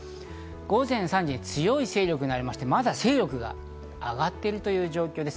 午前３時、強い勢力になりまして、また勢力が上がっている状況です。